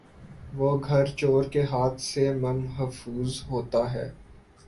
وہ گھر چورکے ہاتھ سے ممحفوظ ہوتا ہے